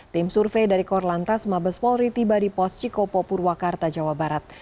tim survei dari korlantas mabes polri tiba di pos cikopo purwakarta jawa barat